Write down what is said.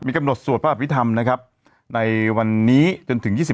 กำหนดสวดพระอภิษฐรรมนะครับในวันนี้จนถึง๒๕